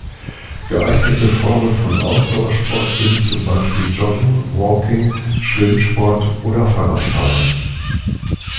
Geeignete Formen von Ausdauersport sind zum Beispiel Joggen, Walking, Schwimmsport oder Fahrradfahren.